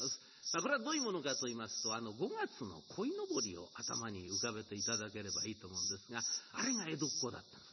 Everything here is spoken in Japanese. これはどういうものかといいますとあの５月の鯉のぼりを頭に浮かべていただければいいと思うんですがあれが江戸っ子だってんですね。